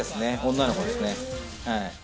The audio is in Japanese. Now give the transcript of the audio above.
女の子ですね。